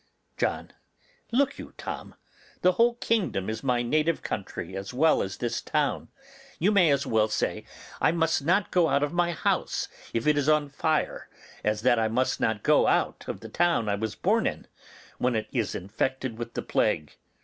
John. Look you, Tom, the whole kingdom is my native country as well as this town. You may as well say I must not go out of my house if it is on fire as that I must not go out of the town I was born in when it is infected with the plague.